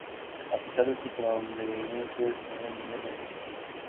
A pesar de su prominencia, es el menos exigente.